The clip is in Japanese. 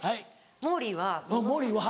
モーリーは。